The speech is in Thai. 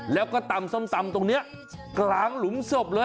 แล้วก็ตำส้มตำตรงนี้กลางหลุมศพเลย